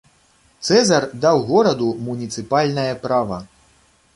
Цэзар даў гораду муніцыпальнае права.